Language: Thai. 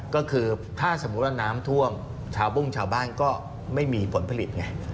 ก็คือถ้าสมมุติว่าน้ำท่วมชาวบุ้งชาวบ้านก็ไม่มีผลผลิตไง